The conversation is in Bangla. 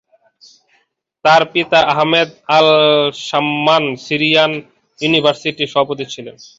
তার পিতা আহমেদ আল-সাম্মান সিরিয়ান ইউনিভার্সিটির সভাপতি ছিলেন।